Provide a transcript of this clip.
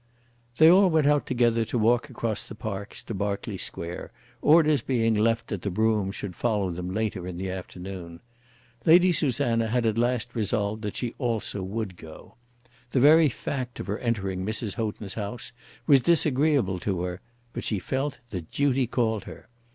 They all went out together to walk across the parks to Berkeley Square, orders being left that the brougham should follow them later in the afternoon. Lady Susanna had at last resolved that she also would go. The very fact of her entering Mrs. Houghton's house was disagreeable to her; but she felt that duty called her.